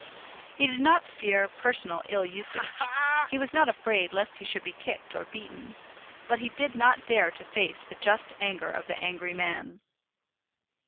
He did not fear personal ill usage; he was not afraid lest he should be kicked or beaten; but he did not dare to face the just anger of the angry man.